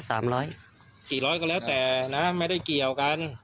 สี่ร้อยก็แล้วแต่นะใช่ไม่ได้เกี่ยวกัน